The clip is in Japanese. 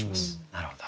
なるほど。